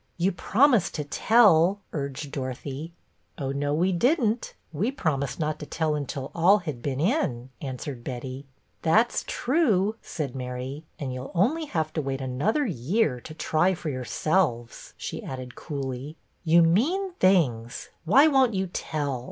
"You promised to tell," urged Dorothy. " Oh, no, we did n't. We promised not to tell until all had been in," answered Betty. " That 's true," said Mary ;" and you 'll only have to wait another year to try for yourselves," she added coolly. HALLOWE'EN 125 "You mean things! Why won't you tell